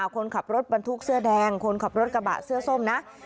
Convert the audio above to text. คนขับรถบรรทุกเสื้อแดงคนขับรถกระบะเสื้อส้มนะ